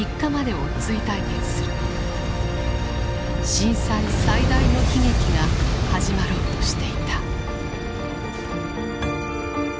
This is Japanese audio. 震災最大の悲劇が始まろうとしていた。